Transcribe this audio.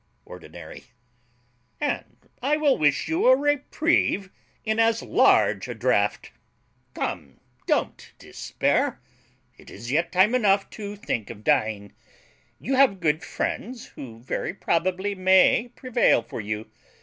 ORDINARY. And I will wish you a reprieve in as large a draught. Come, don't despair; it is yet time enough to think of dying; you have good friends, who very probably may prevail for you.